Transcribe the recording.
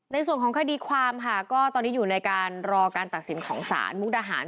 ในส่วนของคดีความค่ะก็ตอนนี้อยู่ในการรอการตัดสินของศาลมุกดาหาร